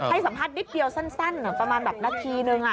ให้สัมภาษณ์นิดเดียวสั้นประมาณแบบนาทีนึง